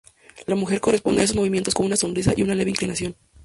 La mujer corresponde a estos movimientos con una sonrisa y una leve inclinación.